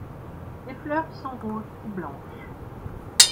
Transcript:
Les fleurs sont roses ou blanches.